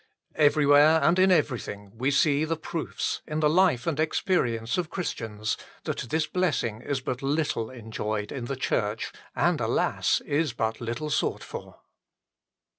Everywhere and in everything we see the proofs, in the life and experience of Christians, that this blessing is but little enjoyed in the Church, and, alas ! is but little sought for.